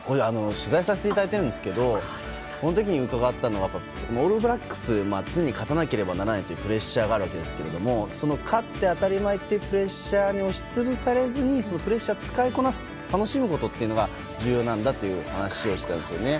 取材をさせていただいてるんですけどこの時に伺ったのはオールブラックスには常に勝たなければならないというプレッシャーがあるわけですが勝って当たり前というプレッシャーに押し潰されずにそのプレッシャーを使いこなして楽しむことが重要だという話をしていました。